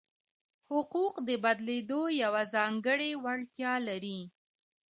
حقوق د بدلېدو یوه ځانګړې وړتیا لري.